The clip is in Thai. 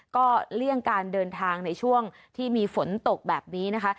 ก็เลี่ยงการเดินทางในช่วงที่มีฝนตกแบบนี้นะคะ